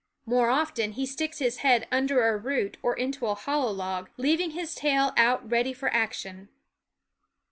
More often he sticks his head under a root or into a hollow log, leaving his tail out ready for action.